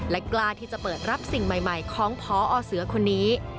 และกล้าที่จะเปิดรับสิ่งใหม่ของพอเสือคนนี้